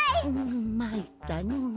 んまいったのう。